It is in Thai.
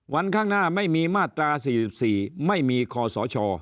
วันข้างหน้าไม่มีมาตราสี่สิบสี่ไม่มีคอสอชอ